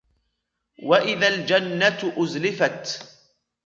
وَإِذَا الْجَنَّةُ أُزْلِفَتْ